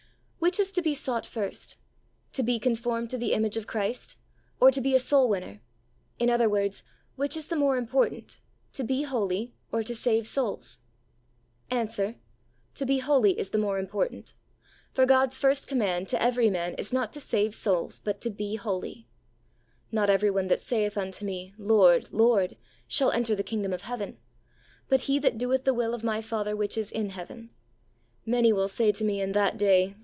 Which is to be sought first, "to be conformed to the image of Christ," or to be a soul winner ; in other words, which is the more important, to be holy or to save souls ? Answer ; To be holy is the more important, for God's first command to every man is not to save souls but to be holy. " Not every one that sayeth unto Me, Lord, Lord, shall enter into the kingdom of heaven ; but he that doeth the will of My Father which is in heaven. Many will say to Me in that day.